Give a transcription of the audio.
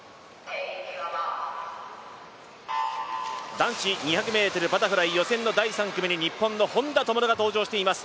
男子２００ｍバタフライ予選の第３組に日本の本多灯が登場しています。